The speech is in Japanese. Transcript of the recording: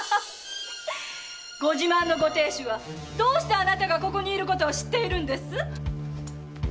ご自慢のご亭主はどうしてあなたがここに居ることを知っているんです？